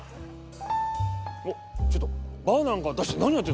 おっちょっとバーナーなんか出して何やってんだ。